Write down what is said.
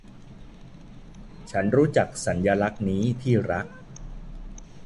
ฉันรู้จักสัญลักษณ์นี้ที่รัก